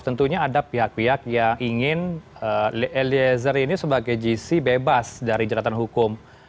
tentunya ada pihak pihak yang ingin eliezer ini sebagai gc bebas dari jeratan hukum